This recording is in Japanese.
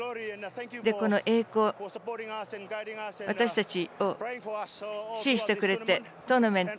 この栄光、私たちを支持してくれて、トーナメント